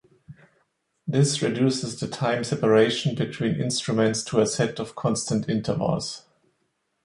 This reduces the time separation between instruments to a set of constant intervals.